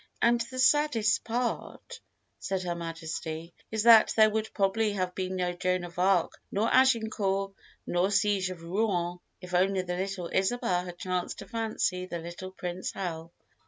"And the saddest part," said Her Majesty, "is that there would probably have been no Joan of Arc nor Agincourt nor siege of Rouen if only the little Isabel had chanced to fancy the little Prince Hal."